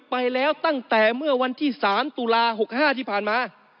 ไปแล้วตั้งแต่เมื่อวันที่๓ตุลา๖๕ที่ผ่านมา